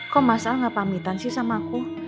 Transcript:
kok masal gak pamitan sih sama aku